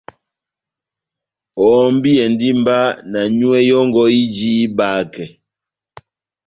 Ohɔmbiyɛndi mba na nyúwɛ́ yɔ́ngɔ ijini ihibakɛ.